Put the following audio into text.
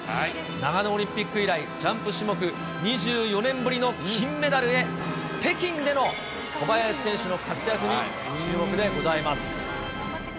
長野オリンピック以来、ジャンプ種目２４年ぶりの金メダルへ、北京での小林選手の活躍に注目でございます。